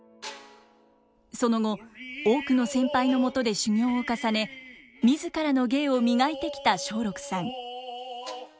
その後多くの先輩のもとで修業を重ね自らの芸を磨いてきた松緑さん。